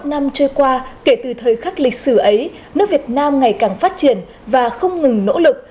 bảy mươi năm năm trôi qua kể từ thời khắc lịch sử ấy nước việt nam ngày càng phát triển và không ngừng nỗ lực